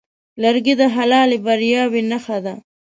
لرګی د حلالې بریاوې نښه ده.